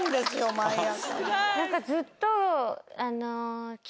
毎朝。